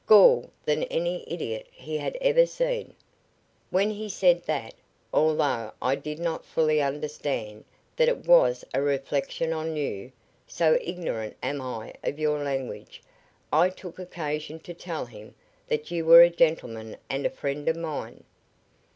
gall than any idiot he had ever seen. When he said that, although I did not fully understand that it was a reflection on you, so ignorant am I of your language, I took occasion to tell him that you were a gentleman and a friend of mine.